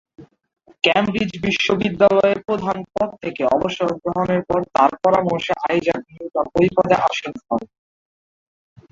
Cambridge বিশ্ববিদ্যালয়ের প্রধান পদ থেকে অবসর গ্রহণের পর তার পরামর্শে আইজাক নিউটন ঐ পদে আসীন হন।